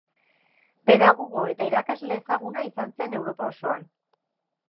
Pedagogo eta irakasle ezaguna izan zen Europa osoan.